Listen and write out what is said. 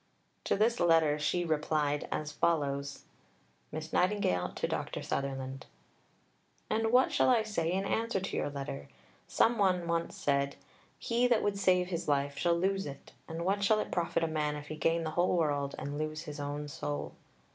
To this letter she replied as follows: (Miss Nightingale to Dr. Sutherland.) And what shall I say in answer to your letter? Some one said once, He that would save his life shall lose it; and what shall it profit a man if he gain the whole world and lose his own soul?